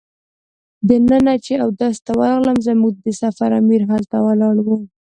دننه چې اودس ته ورغلم زموږ د سفر امیر هلته ولاړ و.